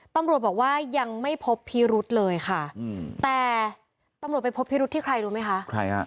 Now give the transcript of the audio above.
ตำรวจบอกว่ายังไม่พบพิรุธเลยค่ะแต่ตำรวจไปพบพิรุธที่ใครรู้ไหมคะใครฮะ